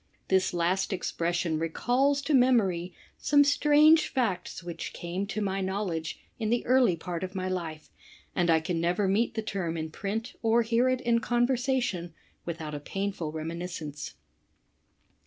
This last expression recalls to memory some strange facl^ which came to my knowledge in the early part of my life, and I can never meet the tertn in print or hear it in conversation without a painful reminiscence.